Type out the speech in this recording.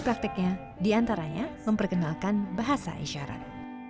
prakteknya diantaranya memperkenalkan bahasa isyarat